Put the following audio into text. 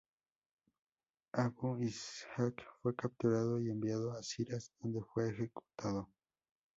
Abu Ishaq fue capturado y enviado a Shiraz, donde fue ejecutado.